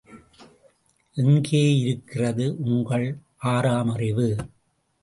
எங்கேயிருக்கிறது உங்கள் ஆறாம் அறிவு?